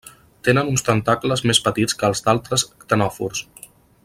Tenen uns tentacles més petits que els d'altres ctenòfors.